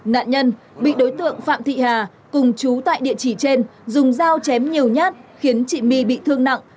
nạn nhân bị đối tượng phạm thị hà cùng chú tại địa chỉ trên dùng dao chém nhiều nhát khiến chị my bị thương nặng